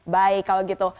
baik kalau gitu